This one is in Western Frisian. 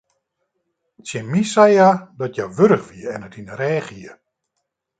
Tsjin my sei hja dat hja wurch wie en it yn de rêch hie.